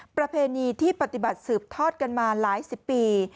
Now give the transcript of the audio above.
ประเพณีที่ปฏิบัติสืบทอดกันมาหลายสิบปี